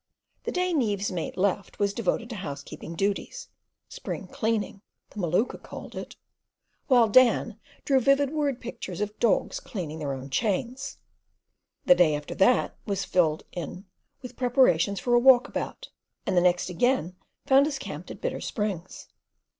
The day Neaves's mate left was devoted to housekeeping duties—"spring cleaning," the Maluka called it, while Dan drew vivid word pictures of dogs cleaning their own chains. The day after that was filled in with preparations for a walk about, and the next again found us camped at Bitter Springs.